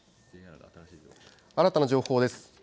新たな情報です。